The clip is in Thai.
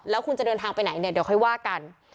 แล้วคุณจะเดินทางไปไหนเนี่ยเดี๋ยวค่อยว่ากัน